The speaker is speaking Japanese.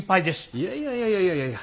いやいやいやいやいやいやいやいや。